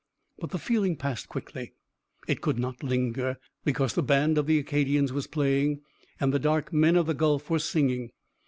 But the feeling passed quickly. It could not linger, because the band of the Acadians was playing, and the dark men of the Gulf were singing.